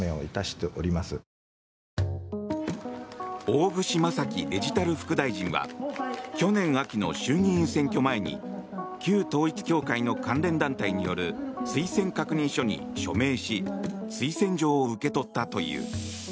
大串正樹デジタル副大臣は去年秋の衆議院選挙前に旧統一教会の関連団体による推薦確認書に署名し推薦状を受け取ったという。